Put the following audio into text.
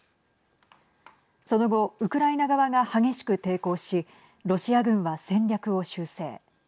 その後ウクライナ側が激しく抵抗しロシア軍は戦略を修正。